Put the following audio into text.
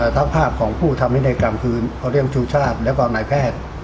ทั้งภาพของผู้ทำให้ในกลางคืนเพราะเรียกว่าชูชาติแล้วก็อันไหนแพทย์